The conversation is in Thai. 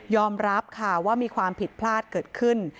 รับค่ะว่ามีความผิดพลาดเกิดขึ้น